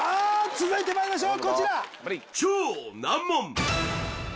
続いてまいりましょうこちら超難問